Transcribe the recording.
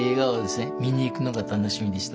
見に行くのが楽しみでしたね。